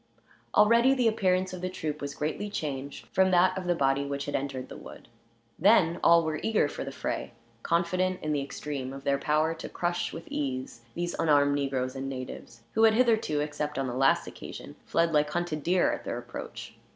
Already the appearance of the troop was greatly changed from that of the body which had entered the wood. Then all were eager for the fray; confident in the extreme of their power to crush, with ease, these unarmed negroes and natives, who had hitherto, except on the last occasion, fled like hunted deer at their approach.